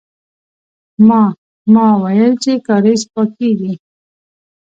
ما، ما ويل چې کارېز پاکيږي.